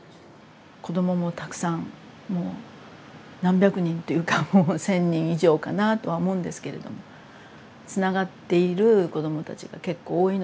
子どももたくさんもう何百人というかもう千人以上かなとは思うんですけれどもつながっている子どもたちが結構多いので。